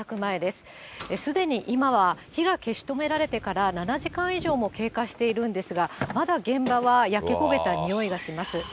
すでに今は火が消し止められてから７時間以上も経過しているんですが、まだ現場は焼け焦げたにおいがします。